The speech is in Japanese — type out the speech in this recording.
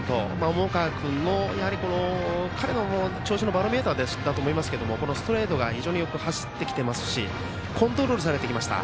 重川君、彼の調子のバロメーターだと思いますがストレートが非常によく走ってきていますしコントロールされてきました。